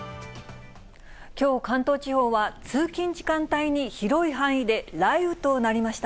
きょう、関東地方は通勤時間帯に、広い範囲で雷雨となりました。